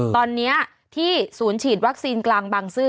ตอนนี้ที่ศูนย์ฉีดวัคซีนกลางบางซื่อ